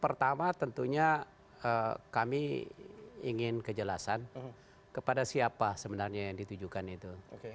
pertama tentunya kami ingin kejelasan kepada siapa sebenarnya yang ditujukan itu